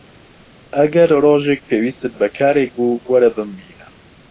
ئەگەر ڕۆژێک پێویستت بە کارێک بوو، وەرە بمبینە.